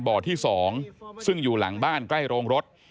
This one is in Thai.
บ่อที่๒ซึ่งอยู่หลังบ้านใกล้โรงรถ